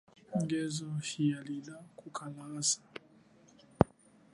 Ngezo hiya lila kukalasa.